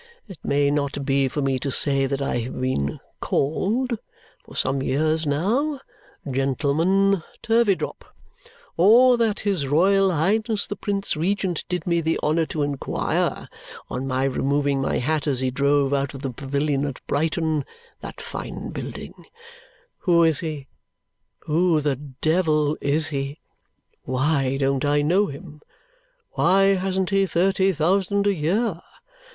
It may not be for me to say that I have been called, for some years now, Gentleman Turveydrop, or that his Royal Highness the Prince Regent did me the honour to inquire, on my removing my hat as he drove out of the Pavilion at Brighton (that fine building), 'Who is he? Who the devil is he? Why don't I know him? Why hasn't he thirty thousand a year?'